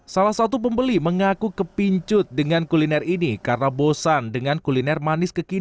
salah satu pembeli mengaku kepincut dengan kuliner ini karena bosan dengan kuliner manis kekinian